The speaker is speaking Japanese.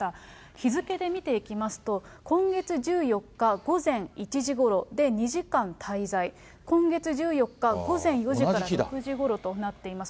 日付で見ていきますと、今月１４日午前１時ごろ、２時間滞在、今月１４日午前４時から６時ごろとなっています。